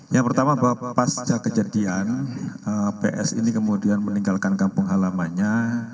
yang pertama bahwa pasca kejadian ps ini kemudian meninggalkan kampung halamannya